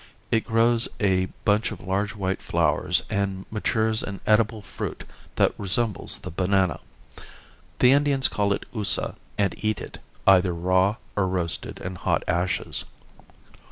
It grows a bunch of large white flowers, and matures an edible fruit that resembles the banana. The Indians call it oosa, and eat it, either raw or roasted in hot ashes.